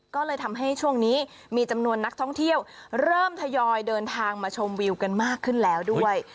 ก็เลยทำให้ช่วงนี้มีจำนวนนักท่องเที่ยวเริ่มทยอยเดินทางมาชมวิวกันมากขึ้นแล้วด้วย